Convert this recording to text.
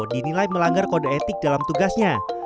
dinilai melanggar kode etik dalam tugasnya